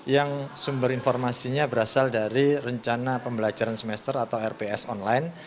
yang sumber informasinya berasal dari rencana pembelajaran semester atau rps online